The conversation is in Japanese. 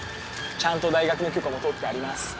ちゃんと大学の許可も取ってあります。